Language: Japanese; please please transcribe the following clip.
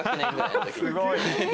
すごい。